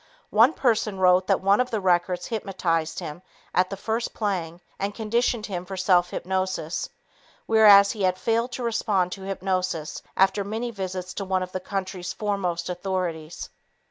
One person wrote that one of the records hypnotized him at the first playing and conditioned him for self hypnosis, whereas he had failed to respond to hypnosis after many visits to one of the country's foremost authorities.